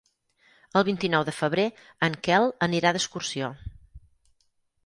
El vint-i-nou de febrer en Quel anirà d'excursió.